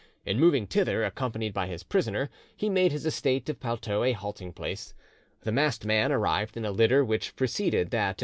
In moving thither, accompanied by his prisoner, he made his estate of Palteau a halting place. The masked man arrived in a litter which preceded that of M.